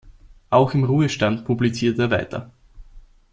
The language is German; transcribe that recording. Auch im Ruhestand publiziert er weiter.